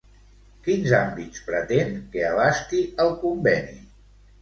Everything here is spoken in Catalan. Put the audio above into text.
Quins àmbits pretén que abasti el conveni?